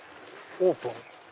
オープン。